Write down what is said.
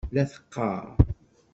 La teqqaṛ.